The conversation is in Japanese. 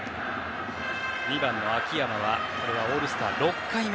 ２番の秋山はオールスター６回目。